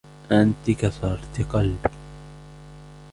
أنتِ كسرتِ قلبي.